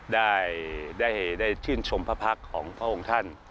ได้ชื่นชมพระพักษ์ของพระองค์ท่าน